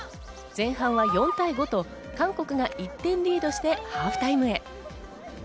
前半は４対５と韓国が１点リードしてハーフタイムへ。